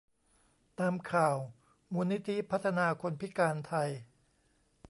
ตามข่าว มูลนิธิพัฒนาคนพิการไทย